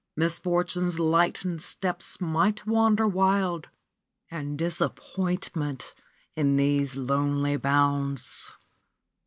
Misfortune's lightened steps might wander wild ; And Disappointment, in these lonely bounds.